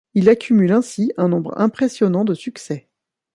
Il accumule ainsi un nombre impressionnant de succès.